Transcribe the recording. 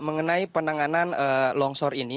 mengenai penanganan longsor ini